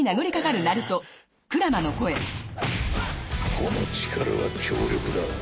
この力は強力だ。